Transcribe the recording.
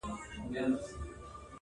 o خلک د پېښې خبري کوي,